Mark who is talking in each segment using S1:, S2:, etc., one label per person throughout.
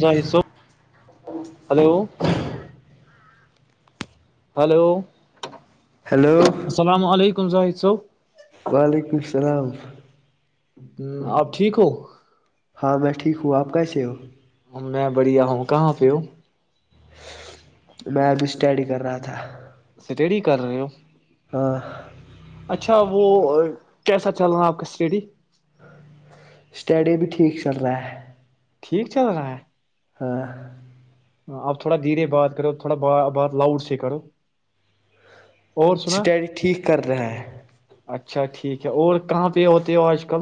S1: زاہد صاحب hello hello
S2: hello
S1: کمنزائ چو
S2: وعلیکم اللام
S1: ہ آپ ٹھیک ہو
S2: ہاں میں ٹھیک ہوں آپ کیسے ہو
S1: میں بڑیا ہومکا ہا پو
S2: میں ابھی اسٹڈی کر رہا تھا
S1: سٹڈی کر رہے ہو
S2: ہاں
S1: اچھا وہ کیسا چل رہا آپ کا اسٹیڈی
S2: اسٹڈی بھی ٹھیک چل رہا ہے
S1: ٹھیک چل رہا ہے
S2: ہاں
S1: آپ تھوڑا دھیرے بات کرو تھوڑا بات لاؤڈ سے کرو اور سنا
S2: اسٹڈی ٹھیک کر رہا ہے
S1: اچھا ٹھیک ہے اور کہاں پہ ہوتے ہو آج کل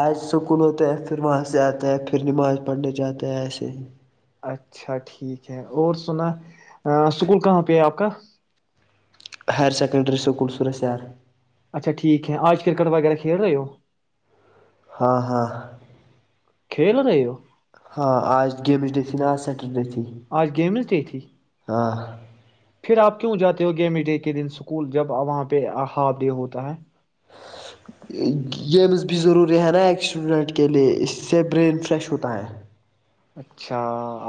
S2: آج سکول ہوتا ہے پھر وہاں سے آتا ہے پھر نماز پڑھنے جاتے ہے ایسے ہی
S1: اچھا ٹھیک ہے اور سنا اسکول کہاں پہ ہے آپ کا
S2: ہائر سیکنڈری سکول سورسل
S1: اچھا ٹھیک ہے آج کرکٹ وغیرہ کھیل رہے ہو
S2: ہاں ہاں
S1: کھیل رہ ہو
S2: ہاں آج گیمج ڈت ن آج سیٹل ڈت
S1: آج گیم ملتی تھی
S2: ہاں
S1: پھر آپ کیوں جاتے ہو گیمی ڈے کے دن اسکول جب وہاں پہ ہاف ڈے ہوتا ہے
S2: گیمز بھی ضروری ہیں نا ایک اسٹوڈنٹ کے لے اس سے برین فریش ہوتا ہے
S1: اچھا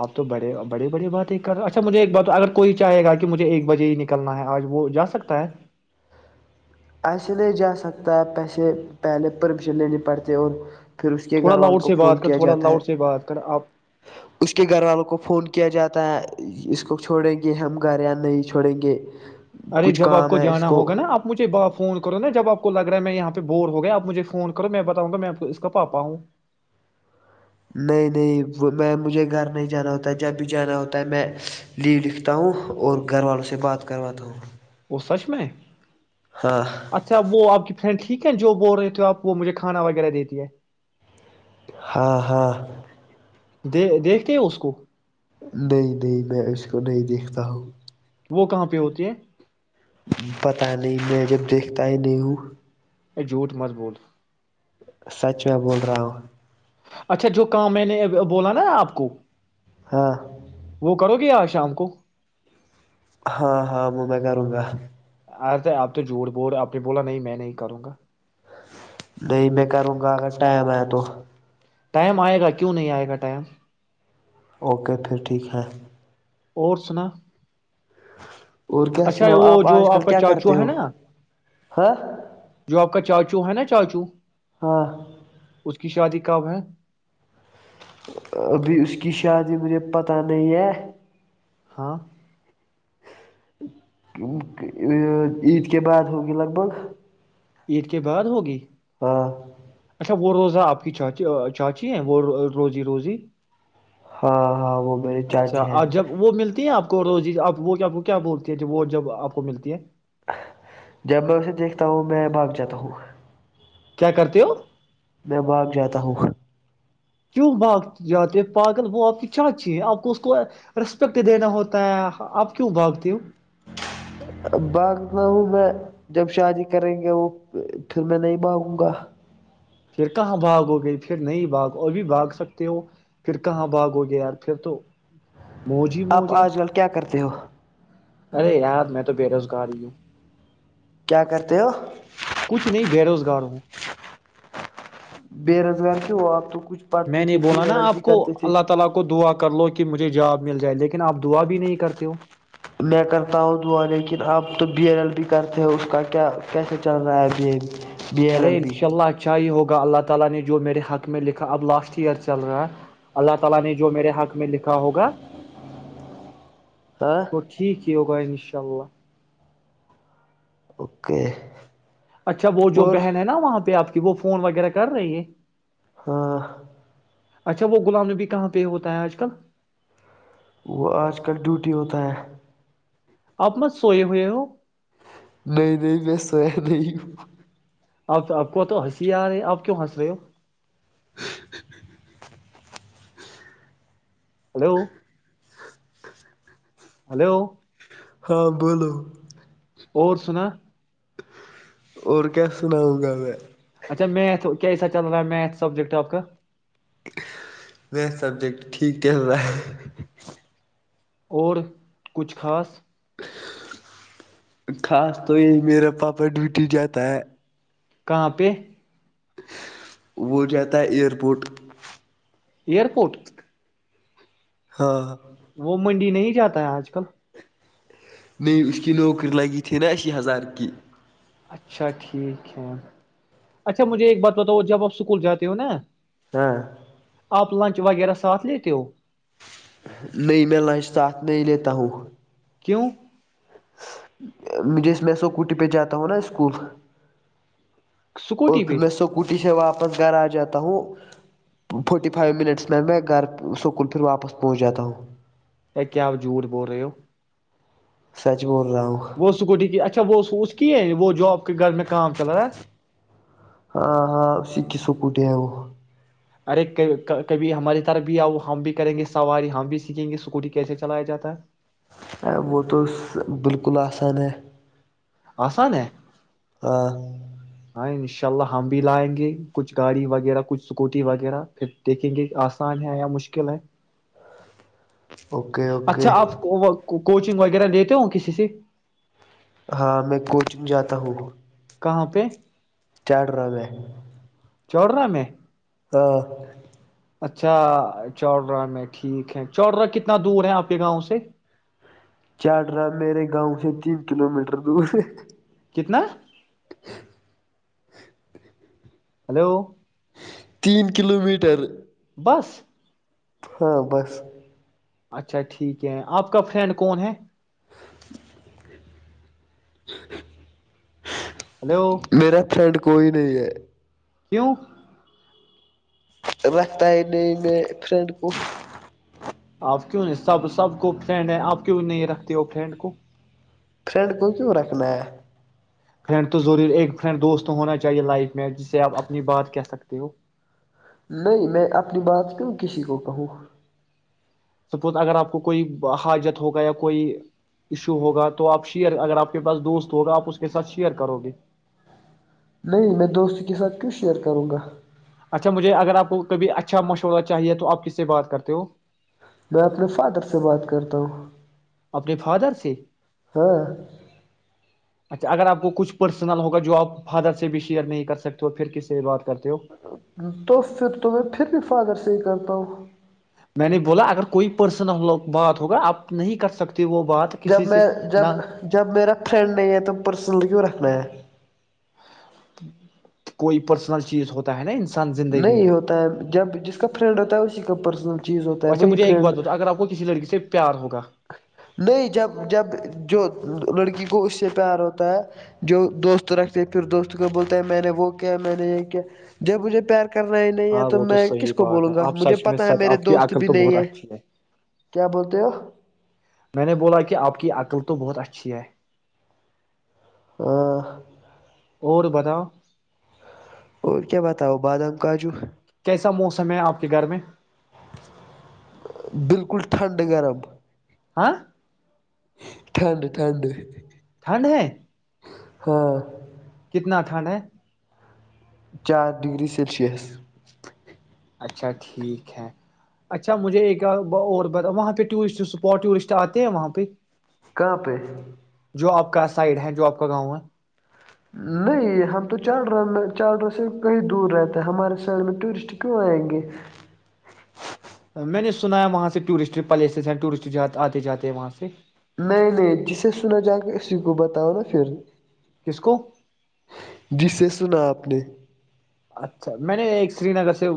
S1: آپ تو بڑے بڑی بڑی بات یہ کر رہے اچھا مجھے ایک بات اگر کوئی چاہے گا کہ مجھے ایک بجے ہی نکلنا ہے آج وہ جا سکتا ہے
S2: ایسے لے جا سکتا ہے پیسے پہلے پرمیشن لینی پڑتے اور پھر اس کے
S1: تھوڑا
S2: گھر والوں
S1: لاؤڈ
S2: کو
S1: سے
S2: فون
S1: بات کر
S2: کیا
S1: تھوڑا
S2: جاتا ہے
S1: لاؤڈ سے بات کر آپ
S2: اس کے گھر والوں کو فون کیا جاتا پتاہ ہے اس کو چھوڑیں گے ہم گھر یا نہیں چھوڑیں گ
S1: ارے جب آپ کو جانا ہوگا نا آپ مجھے ب فون کرو نا جب آپ کو لگ رہا ہے میں یہاں پہ بور ہو گیا آپ مجھے فون کرو میں بتاؤں گا میں کو اس کا پاپا ہوں
S2: نہیں نہیں وہ میں مجھے گھر نہیں جانا ہوتا ہے جب بھی جانا ہوتا ہے میں لیو لکھتا ہوں اور گھر والوں سے بات کرواتا ہوں
S1: وہ سچ میں
S2: ہاں
S1: اچھا وہ آپ کی ٹھیک ہے جو بول رہے تھے آپ وہ مجھے کھانا وغیرہ دیتی ہے
S2: ہاں ہاں
S1: د دیکھتے ہو اس کو
S2: نہیں نہیں میں اس کو نہیں دیکھتا ہوں
S1: وہ کہاں پہ ہوتے ہیں
S2: پتاہ نہیں میں جب دیکھتا ہی نہیں ہوں
S1: ای جھوٹ مت بول
S2: سچ میں بول رہا ہوں
S1: اچھا جو کام میں نے بولا نا آپ کو
S2: ہاں [unintelligible]
S1: وہ کرو گے ار شام کو
S2: ہاں ہاں وہ میں کروں گا
S1: ارے تو آپ تو جوڑ بور آپ نے بولا نہیں میں نہیں کروں گا
S2: نہیں میں کروں گا اگر ٹائم ہے تو
S1: ٹائم آئے گا کیوں نہیں آئے گا ٹائم
S2: اوکے پھر ٹھیک ہے
S1: اور سنا
S2: اور
S1: [unintelligible]
S2: کیا
S1: اچھا
S2: سناؤ
S1: وہ جو
S2: آج کل
S1: آپ کا
S2: کیا کرتے
S1: چاچو ہے
S2: ہو
S1: نا
S2: ہاں
S1: جو آپ کا چاچو ہے نا چجو [unintelligible]
S2: ہاں [unintelligible]
S1: کی شادی کب ہے [unintelligible]
S2: [inaudible]
S1: ہاں [unintelligible]
S2: ا عید کے بعد ہوگی لگ بھگ
S1: عید کے بعد ہوگی
S2: ہاں
S1: اچھا وہ روزہ آپ کی چاچی چاچی ہے وہ روزی روزی
S2: ہاں ہاں وہ میرے
S1: اچھا
S2: چاچے ہیں
S1: اور جب وہ ملتی ہیں آپ کو روز جی آپ وہ کو کیا بولتی ہیں وہ جب آپ کو ملتی ہے
S2: جب میں اسے دیکھتا ہوں میں بھاگ جاتا ہوں
S1: کیا کرتے ہو
S2: میں بھاگ جاتا ہوں [unintelligible]
S1: کیوں بھاگ جاتے پاگل وہ آپ کی چاچی ہے آپ کو اس کو رسپیکٹ دینا ہوتا ہے آپ کیوں بھاگتے ہو
S2: بھاگتا ہوں میں جب شادی کریں گے وہ پھر میں نہیں بھاگوں گا
S1: پھر کہاں بھاگ ہو گئی پھر نہیں بھاگ اور بھی بھاگ سکتے ہو پھر کہاں بھاگ ہو گیا یار پھر تو موج ہی
S2: آپ
S1: موج ہے
S2: آج کل کیا کرتے [inaudible]
S1: ارے یار میں تو بے روزگار ہی ہوں
S2: کیا کرتے ہو [inaudible]
S1: کچھ نہیں بے روزگار ہوں
S2: بے روزگار کی آپ [inaudible]
S1: میں نے
S2: تھے بی
S1: بولا نا
S2: ایل ایل بھی
S1: اپ کو
S2: کرتے تھے
S1: اللہ تعالی کو دو کر لو کہ مجھے جواب مل جائے لیکن آپ دعا بھی نہیں کرتے ہو
S2: میں کرتا ہوں دعا لیکن اب تو بی این کرتے ہو اس کا کیا کیسے چل رہا بی ایل
S1: ارے
S2: ایل
S1: ان
S2: بی
S1: شاء اللہ اچھا ہی ہوگا اللہ تعالی نے جو میرے حق میں لکھا اللہ چل رہا ہے اللہ تعالی نے جو میرے حق میں لکھا ہوگا
S2: ہاں
S1: تو ٹھیک ہے کی ہوگا ان شاء اللہ
S2: اوکے [inaudible]
S1: اچھا وہ جو
S2: اور
S1: بہن ہے نا وہاں پہ آپ کی کہ وہ فون وغیرہ کر رہی ہے
S2: ہاں
S1: اچھا وہ گلام نبی کہاں پہ ہوتا ہے آج کل
S2: وہ آج کل ڈیوٹی ہوتا ہے
S1: آپ مت سوئے ہوئے ہو
S2: نہیں نہیں میںسو ہے نہیں
S1: اپ تو آپ کو تو ہنسی آ رہے آپ کیوں ہنس رہے ہو
S2: [inaudible]
S1: ہلو
S2: [inaudible]
S1: ہلو
S2: ہاں بولو
S1: اور سنا
S2: اور کیا سناؤں گا میں
S1: اچھا میتھ کیاسا چل رہا ہے میتھ سبجیکٹ آپ کا
S2: میں سبجیکٹ ٹھیک کہ رہا ہے
S1: اور کچھ خاص
S2: خاص تو یہی میرا پاپا ڈوٹی جاتا ہے
S1: کہاں پہ
S2: وہ تھا ہے ایرپورٹ
S1: ایئرپورٹ
S2: ہاں
S1: وہ منڈی نہیں جاتا ہے آج کل
S2: نہیں اس کی نوکری لگی تھی نا اسی ہزار کی
S1: اچھا ٹھیک ہے اچھا مجھے ایک بات بتاؤ جب آپ اسکول جاتے ہو نا
S2: ہاں
S1: آپ لنچ وغیرہ ساتھ لیتے ہو
S2: نہیں میں لنچ ساتھ نہیں لیتا ہوں
S1: کیوں
S2: جس میں سو کوٹی پہ جاتا ہوں نا اسکول اور
S1: اسکوٹی
S2: پھر
S1: پہ
S2: میں سوکوٹی سے واپ واپس گھر آ جاتا ہوں فورٹی فائیو منٹس میں میں گھر سکول پھر واپس پہنچ جاتا ہوں
S1: یا کیا آپ جھوٹ بول رہے ہو
S2: سچ بول رہا ہوں
S1: وہ سکوٹی کی اچھا وہ اس کی ہے وہ جاب [unintelligible] کو کوئی گ میں کام چلاا
S2: اٹیا وہ [unintelligible]
S1: ارے کبھی ہماری طرف بھی آ ہم بھی کریں گے سواری ہم بھی سیکھیں گے اسکوٹی کیسے چلایا جاتا ہے
S2: وہ تو بالکل اسان ہے
S1: آسان ہے
S2: ہاں
S1: ان شاء اللہ ہم بھی لائیں گے کچھ گاڑی وغیرہ کچھ اسکوٹی وغیرہ پھر دیکھیں گے آسان ہے یا مشکل ہے
S2: اوکے اوکے
S1: اچھا آپ کوچنگ وغیرہ دیتےہو کسی سے
S2: ہاں میں کوچن جاتا ہوں
S1: کہاں پہ
S2: چاڈورا میں
S1: چاڑورا میں
S2: ہاں
S1: اچھا چاڑورا میں ٹھیک ہے چوڑرا کتنا دور ہے آپ کے گاؤں سے
S2: چاڈورا میرے گاؤں سے تین کلو میٹر دور ہے
S1: کتنا
S2: [unintelligible]
S1: ہلو
S2: تین کلو میٹر
S1: بس
S2: ہاں بس
S1: اچھا ٹھیک ہے آپ کا فرینڈ کون ہے
S2: [unintelligible]
S1: ہلو
S2: میرا فرینڈ کو کوئی نہیں ہے
S1: کیوں
S2: رکھتا ہے نہیں میں فرینڈ کو
S1: آپ کیوں نہیں سب سب کو فرینڈ ہیں آپ کیوں نہیں رکھتے ہو فرینڈ کو
S2: فرینڈ کو کیوں رکھنا ہے
S1: فرینڈ تو ضرور ایک فرینڈ دوست ہونا چاہیے لائف میں جسے آپ اپنی بات کہہ سکتے ہو
S2: نہیں میں اپنی بات کیوں کسی کو کہوں
S1: سپوز اگر آپ کو کوئی حاجت ہوگا یا کوئی ایشو ہوگا تو آپ شیئر اگر آپ کے پاس دوست ہوگا آپ اس کے ساتھ شیئر کرو گے
S2: نہیں میں دوست کے ساتھ کیوں شیئر کروں گا
S1: اچھا مجھے اگر آپ کو کبھی اچھا مشورہ چاہیے تو آپ کس سے بات کرتے ہو
S2: میں اپنے فادر سے بات کرتا ہوں
S1: اپنے فادر سے
S2: ہاں
S1: اچھا اگر آپ کو کچھ پرسنل ہوگا جو آپ فادر سے بھی شیئر نہیں کر سکتے اور پھر کسی بات کرتے ہو
S2: تو پھر تو پھر بھی فادر سے ہی کرتا ہوں ا [unintelligible]
S1: میں نے بولا اگر کوئی پرسن ہم لوگ بات ہوگا آپ نہیں کر سکتے وہ بات
S2: جب
S1: کسی سے
S2: میں
S1: نہ
S2: جب جب میرا فرینڈ نہیں ہے تو پرسنلی کیوں میں
S1: کوئی پرسنل چیز ہوتا ہے نا ان
S2: نہیں ہوتا ہے جب جس کا فرینڈ ہوتا ہے اس کا پرسن
S1: تو اچھا مجھے ایک بات بتا اگر آپ کو کسی لڑکی سے پیار ہوگ
S2: نہیں جب جب جو لڑکی کو اس سے پیار ہوتا ہے جو دوست رکھتے پھر دوست کو بولتے ہیں میں نے وہ کیا میں نے یہ کیا جب مجھے پیار کرنا ہی نہیں ہے
S1: ہاں
S2: تو
S1: وہ
S2: میں کس
S1: صحیح
S2: کو
S1: بات
S2: بولوں
S1: ہے
S2: گا
S1: آپ
S2: مجھے
S1: سچ میں
S2: پتا ہے
S1: سچ
S2: میرے
S1: آپ کی
S2: دوست
S1: عقل
S2: بھی
S1: تو
S2: نہیں
S1: بہت
S2: ہے
S1: اچھی
S2: کیا بولتے ہو
S1: میں نے بولا کہ آپ کی اکل تو بہت اچھی ہے
S2: [inaudible]
S1: اور بتا
S2: اور کیا بتاؤ بادام کاجو
S1: ایسا موسم ہے آپ کے گھر میں
S2: بالکل ٹھنڈا گرم
S1: ہاں
S2: ٹھنڈ ٹھنڈ
S1: ٹھنڈ ہے
S2: ہاں
S1: کتنا ا کھنڈ ہے
S2: چار ڈگری سلشس
S1: اچھا ٹھیک ہے اچھا مجھے ایک اور ب وہاں پہ ٹورسٹ اسپاٹ ٹورسٹ آتے ہیں وہاں پہ
S2: کہاں پہ
S1: جو آپ کا سائڈ ہے جو آپ کا گاؤں ہے
S2: نہیں ہم تو چالرا میں چاررا سے کہیں دور رہتا ہے ہمارے سائڈ میں ٹورسٹ کیوں آئیں گے
S1: میں نے سنا ہے وہاں سے ٹورسٹ پلیسس ہیں ٹورسٹ آتے جاتے ہیں وہاں سے
S2: نہیں نہیں جسے سنا جا کے اسی کو بتاؤ نا پھر
S1: کس کو
S2: جس سےے سنا آپ اگلے
S1: اچھا میں نے ایک سری نگر سے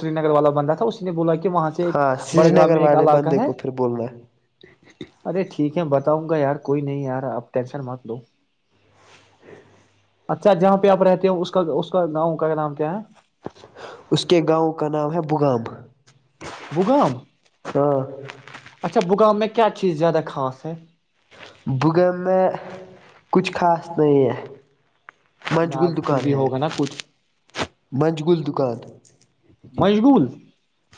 S1: سری نگر والا بندہ تھا اسی نے بولا کہ وہاں سے ایک
S2: ہاں سری
S1: بڑگاہ
S2: نگر
S1: میں ایک
S2: والے
S1: علاقہ
S2: بندے
S1: ہے
S2: کو پھر بولنا ہے
S1: ارے ٹھیک ہے ھ بتاؤں گا یار کوئی نہیں یار آپ ٹینشن مت دوو اچھا جہاں پہ آپ رہتے ہیں اس کا اس کا گاؤں کا نام کیا ہے
S2: اس کے گاؤں کا نام ہے بغام
S1: بگام
S2: ہاں
S1: بغام میں کیا چیز زیادہ خھاس ہے
S2: ب گ میں کچھ خاص نہ ہے
S1: ن
S2: منجگل
S1: پھر
S2: دکان
S1: بھی
S2: ہے
S1: ہوگا نا کچھ
S2: منجگل دکان
S1: مشغول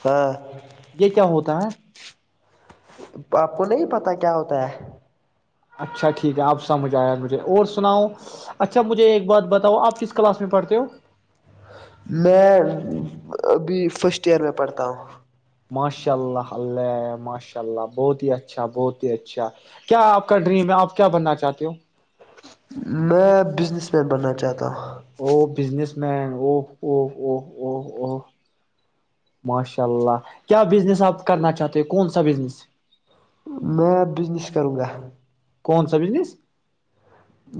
S2: ہاں
S1: یہ کیا ہوتا کتا
S2: آپ کو نہیں پتا کیا ہوتا ہے
S1: اچھا ٹھیک ہے آپ سمجھ آئےیا مجھے اور سناؤ اچھا مجھے ایک بات بتاؤ آپ کس کلاس میں پڑھتے ہو
S2: میں ابھی فرسٹ ایئر میں پڑھتا ہوں
S1: ماشاء اللہ ماشاء اللہ بہت ہی اچھا بہت ہی اچھا کیا آپ کا ڈریم ہے آپ کیا بننا چاہتے ہو
S2: میں بزنس مین بننا چاہتا ہوں
S1: وہ بزنس او او او او او ماشاء اللہ کیا بزنس آپ کرنا چاہتے ہو کون سا بزنس
S2: میں بزنس کروں گا
S1: کون سا بزنس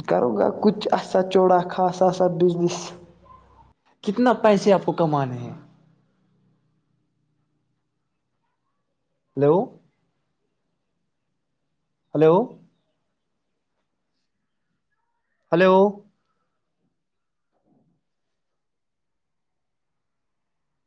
S2: کرو گا کچ آ سا چوڑا خاصا سا بزنس
S1: کتنا پیسے آپ کو کمانے ہیں ہلو ہلو ہلو